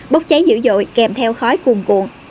bốc cháy dữ dội kèm theo khói cuồn cuộn